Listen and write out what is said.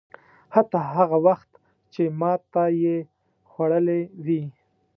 حتی هغه وخت چې ماته یې خوړلې وي.